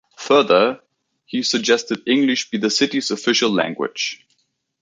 Further, he suggested English be the city's official language.